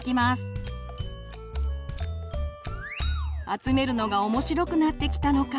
集めるのが面白くなってきたのか。